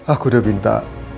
aku sudah minta